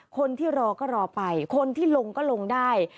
คนที่รอก็รอไปคนที่ลงก็ลงได้